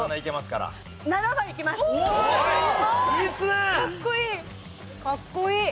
かっこいい！